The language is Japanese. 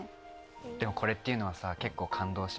でもこれっていうのは結構感動しません？